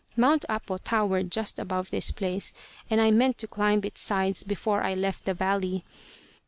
Mount Apo towered just above this place, and I meant to climb its sides before I left the valley.